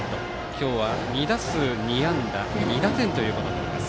今日は２打数２安打２打点ということになります。